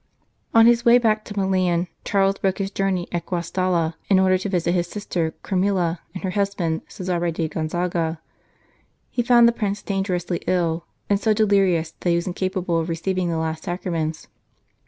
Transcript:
On his way back to Milan, Charles broke his journey at Guastalla, in order to visit his sister Camilla and her husband, Cesare di Gonzaga. He found the Prince dangerously ill, and so delirious that he was incapable of receiving the last Sacraments.